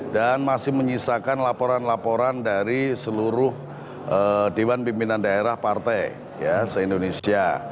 dan masih menyisakan laporan laporan dari seluruh dewan pimpinan daerah partai se indonesia